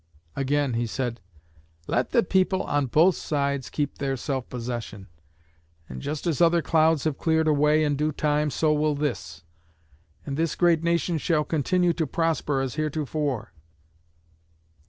Again, he said: "Let the people on both sides keep their self possession, and just as other clouds have cleared away in due time, so will this; and this great nation shall continue to prosper as heretofore."